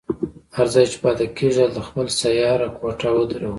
هر ځای چې پاتې کېږي هلته خپله سیاره کوټه ودروي.